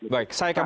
baik saya kembang